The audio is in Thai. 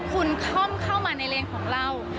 คุณค่อมเข้ามาในเลนของเรา